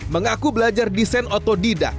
mengaku belajar desain otodidak